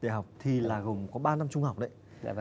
đại học thì là gồm có ba năm trung học đấy